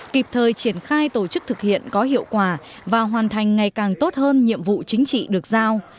kịp thời triển khai tổ chức thực hiện có hiệu quả và hoàn thành ngày càng tốt hơn nhiệm vụ chính trị được giao